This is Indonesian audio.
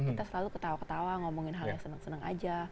kita selalu ketawa ketawa ngomongin hal yang seneng seneng aja